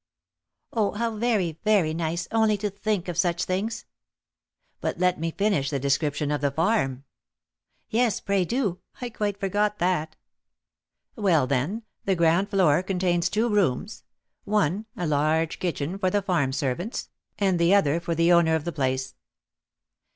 "Oh, how very, very nice, only to think of such things!" "But let me finish the description of the farm " "Yes, pray do! I quite forgot that." "Well, then, the ground floor contains two rooms; one, a large kitchen for the farm servants, and the other for the owner of the place."